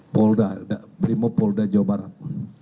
polda primo polda jawa barat